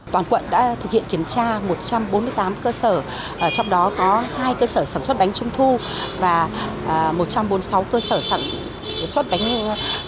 toàn quận đã thực hiện kiểm tra một trăm bốn mươi tám cơ sở trong đó có hai cơ sở sản xuất bánh trung thu và một trăm bốn mươi sáu cơ sở sản xuất bánh